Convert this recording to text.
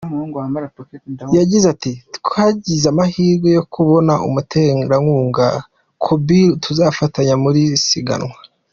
Yagize ati “Twagize amahirwe yo kubona umuterankunga, Kobil tuzafatanya muri iri siganwa.